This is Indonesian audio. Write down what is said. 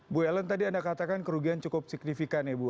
bu ellen tadi anda katakan kerugian cukup signifikan ibu